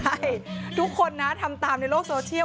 ใช่ทุกคนนะทำตามในโลกโซเชียล